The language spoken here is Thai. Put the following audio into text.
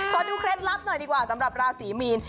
เคล็ดลับหน่อยดีกว่าสำหรับราศีมีน